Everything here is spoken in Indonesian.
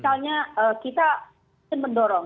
karena kita mendorong